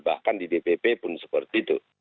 bahkan di dpp pun seperti itu